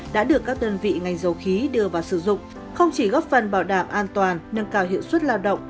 đã được các đơn vị ngành dầu khí đưa vào sử dụng không chỉ góp phần bảo đảm an toàn nâng cao hiệu suất lao động